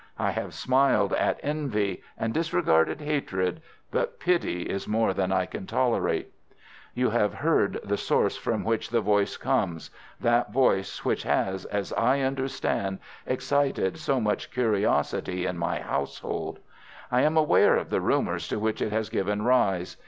I have smiled at envy, and disregarded hatred, but pity is more than I can tolerate. "You have heard the source from which the voice comes—that voice which has, as I understand, excited so much curiosity in my household. I am aware of the rumours to which it has given rise.